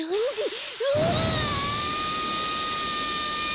うわ！